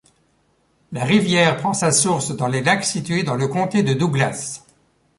La rivière prend sa source dans les lacs situés dans le comté de Douglas.